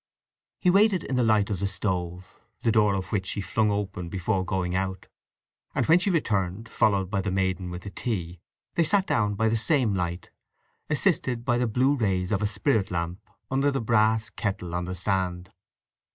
He waited in the light of the stove, the door of which she flung open before going out, and when she returned, followed by the maiden with tea, they sat down by the same light, assisted by the blue rays of a spirit lamp under the brass kettle on the stand.